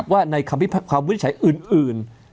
ว่าในความวิทยาลีอื่น